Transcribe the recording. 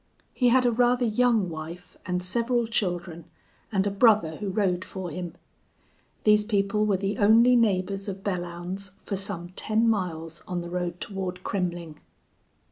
He had a rather young wife, and several children, and a brother who rode for him. These people were the only neighbors of Belllounds for some ten miles on the road toward Kremmling.